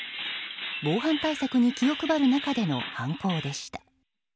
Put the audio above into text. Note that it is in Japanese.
防犯対策に気を配る中での犯行でした。